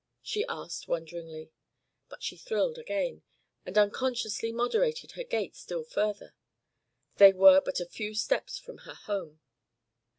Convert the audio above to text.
she asked wonderingly. But she thrilled again, and unconsciously moderated her gait still further; they were but a few steps from her home.